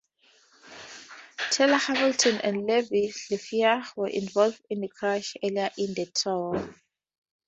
Tyler Hamilton and Levi Leipheimer were involved in a crash early in the Tour.